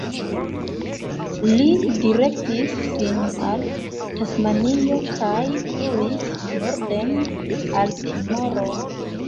Li direktis sin al Tasmanio kaj pluis norden al Timoro.